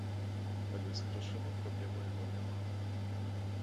Але з грашыма праблем у яго няма.